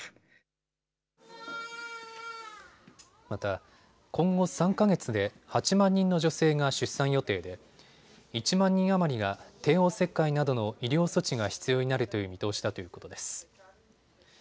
また、今後３か月で８万人の女性が出産予定で１万人余りが帝王切開などの医療措置が必要になるという見通しだということです。